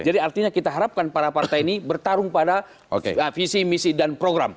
artinya kita harapkan para partai ini bertarung pada visi misi dan program